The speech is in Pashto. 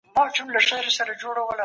نادان ډېر خو بې معنا وايي